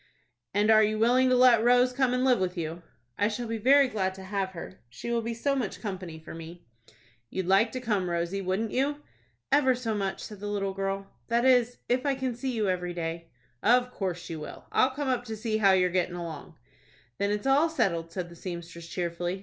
"And are you willing to let Rose come and live with you?" "I shall be very glad to have her. She will be so much company for me." "You'd like to come, Rosie, wouldn't you?" "Ever so much," said the little girl; "that is, if I can see you every day." "Of course you will. I'll come up to see how you're gettin' along." "Then it's all settled," said the seamstress, cheerfully.